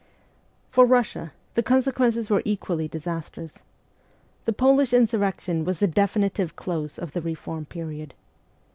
For Russia the consequences were equally disastrous. The Polish insurrection was the definitive close of the reform period.